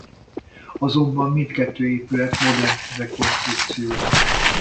Azonban mindkettő épület modern rekonstrukció.